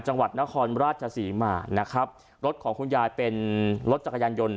จังหวัดนครราชศรีมานะครับรถของคุณยายเป็นรถจักรยานยนต์